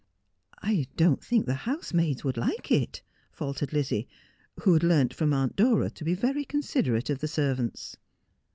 ' I don't think the housemaids would like it,' faltered Lizzie, who had learnt from Aunt Dora to be very considerate of the servants.